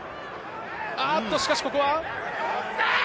しかし、ここは。